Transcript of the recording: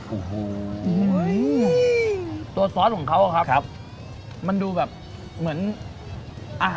โอ้โหตัวซอสของเขาอะครับครับมันดูแบบเหมือนอ่ะ